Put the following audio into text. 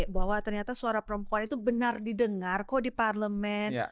bahwa ternyata suara perempuan itu benar didengar kok di parlemen